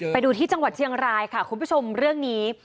ไปดูที่จังหวัดเชียงรายค่ะคุณผู้ชมเรื่องนี้